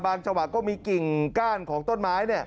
จังหวะก็มีกิ่งก้านของต้นไม้